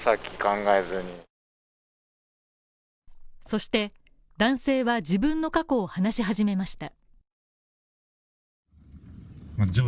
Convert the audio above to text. そして男性は、自分の過去を話し始めました。